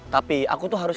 tapi aku harus